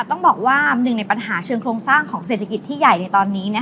ต้องบอกว่าหนึ่งในปัญหาเชิงโครงสร้างของเศรษฐกิจที่ใหญ่ในตอนนี้